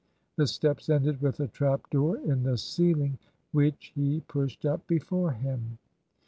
The steps ended with a trap door in the ceiling, which he pushed up before him.